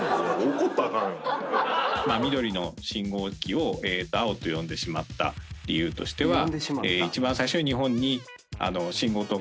緑の信号機を青と呼んでしまった理由としては。